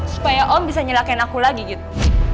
supaya om bisa nyelakin aku lagi gitu